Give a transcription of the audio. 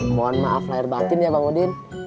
maaf melahir balkin ya bangudin